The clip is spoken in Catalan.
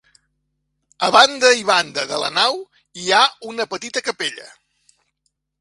A banda i banda de la nau hi ha una petita capella.